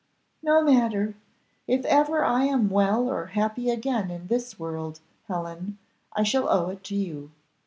"No matter. If ever I am well or happy again in this world, Helen, I shall owe it to you.